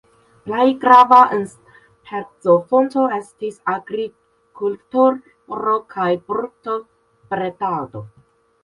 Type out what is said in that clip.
Plej grava enspezofonto estis agrikulturo kaj brutobredado.